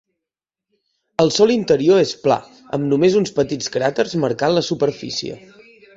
El sòl interior és pla, amb només uns petits cràters marcant la superfície.